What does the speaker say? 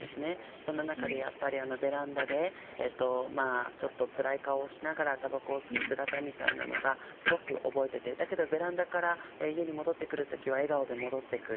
そんな中でやっぱりベランダでちょっとつらい顔をしながら煙草を吸う姿みたいなのがすごく覚えててだけどベランダから家に戻ってくる時は笑顔で戻ってくる。